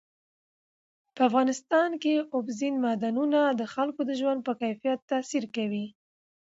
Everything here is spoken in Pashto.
په افغانستان کې اوبزین معدنونه د خلکو د ژوند په کیفیت تاثیر کوي.